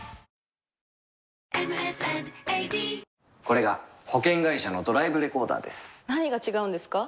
これが保険会社のドライブレコーダーです何が違うんですか？